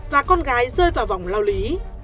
và con gái rơi vào vòng lao lý